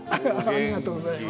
ありがとうございます。